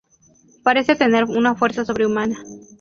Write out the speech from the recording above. Parece tener una fuerza sobrehumana.